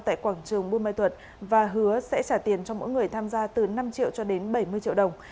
tại quảng trường buôn ma thuật và hứa sẽ trả tiền cho mỗi người tham gia từ năm triệu cho đến bảy mươi triệu đồng